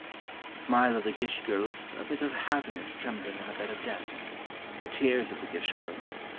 The smile of the Gish girl is a bit of happiness trembling on a bed of death; the tears of the Gish girl